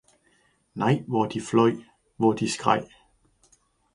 Nei, hvor de fløi, hvor de skreg.